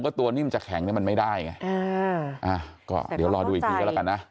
ก็ตัวนิ่มจะแข็งเนี่ยมันไม่ได้ไงอ่าก็เดี๋ยวรอดูอีกทีก็แล้วกันนะ